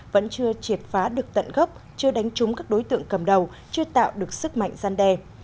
vẫn chưa triệt phá được tận gốc chưa đánh trúng các đối tượng cầm đầu chưa tạo được sức mạnh gian đe